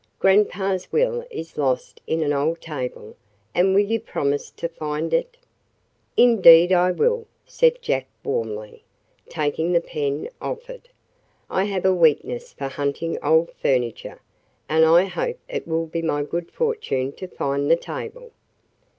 "Grandpa's will is lost in an old table, and will you promise to help find it?" "Indeed I will," said Jack warmly, taking the pen offered. "I have a weakness for hunting old furniture, and I hope it will be my good fortune to find the table."